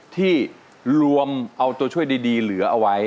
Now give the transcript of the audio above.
ที่รวมเอาตัวช่วยดีเหลือเอาไว้